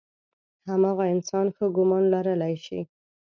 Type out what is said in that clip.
هماغه انسان ښه ګمان لرلی شي.